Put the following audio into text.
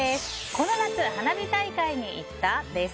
この夏花火大会に行った？です。